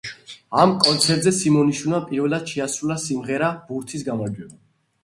ამ კონცერტზე სიმონიშვილმა პირველად შეასრულა სიმღერა „ბურთის გამარჯვება“.